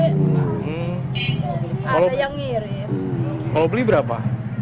kalau beli berapa